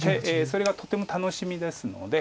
それがとても楽しみですので。